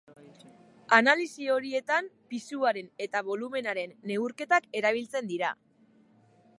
Analisi horietan pisuaren eta bolumenaren neurketak erabiltzen dira.